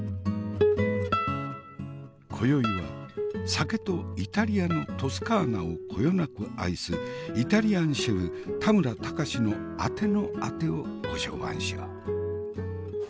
今宵は酒とイタリアのトスカーナをこよなく愛すイタリアンシェフ田村崇のあてのあてをご相伴しよう。